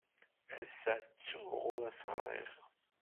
Ass-a ttuɣ ur as-ɣriɣ.